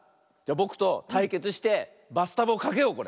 ぼくとたいけつしてバスタブをかけようこれ。